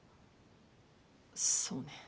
そうね。